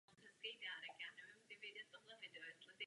Pracoval jako učitel na střední škole.